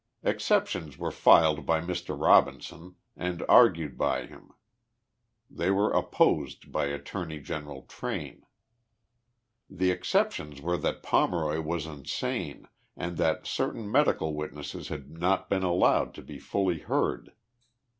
Exceptions were filed by Mr. Robinson and argued by him. They were opposed by Attorney General Train. The exceptions were that Pomeroy was insane and that certain medical witnesses had not been allowed to be fully heard.